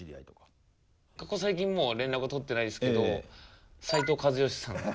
ここ最近もう連絡は取ってないですけど斉藤和義さん。